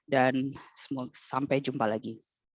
dan sampai jumpa lagi